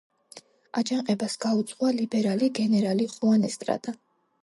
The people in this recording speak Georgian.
აჯანყებას გაუძღვა ლიბერალი გენერალი ხუან ესტრადა.